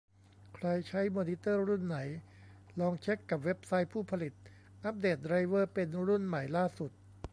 ใครใช้มอนิเตอร์รุ่นไหน ลองเช็คกับเว็บไซต์ผู้ผลิต อัปเดตไดรเวอร์เป็นรุ่นใหม่ล่าสุด